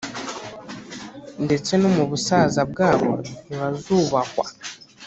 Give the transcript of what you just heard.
ndetse no mu busaza bwabo, ntibazubahwa.